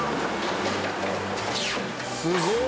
すごい！